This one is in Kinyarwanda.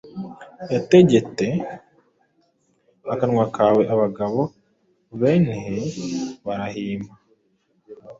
Yategete akanwa kawe abagabo benhi barahima